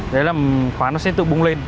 đấy là khóa nó sẽ tự bung lên